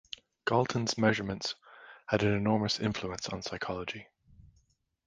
Galton's measurements had an enormous influence on psychology.